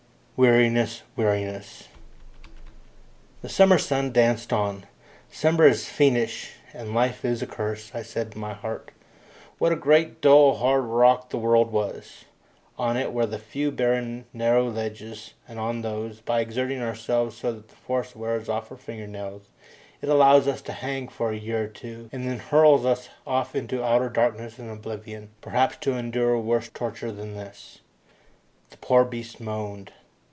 Weariness! Weariness! The summer sun danced on. Summer is fiendish, and life is a curse, I said in my heart. What a great dull hard rock the world was! On it were a few barren narrow ledges, and on these, by exerting ourselves so that the force wears off our finger nails, it allows us to hang for a year or two, and then hurls us off into outer darkness and oblivion, perhaps to endure worse torture than this. The poor beast moaned.